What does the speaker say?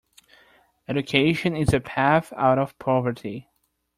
Education is a path out of poverty.